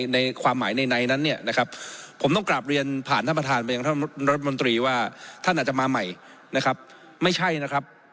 ในความหมายในนั้นเนี่ยนะครับผมต้องกลับเรียนผ่านท่านประธานไปยังท่านรัฐมนตรีว่าท่านอาจจะมาใหม่นะครับไม่ใช่นะครับ